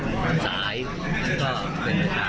สมบัติการพลังมีชาติรักษ์ได้หรือเปล่า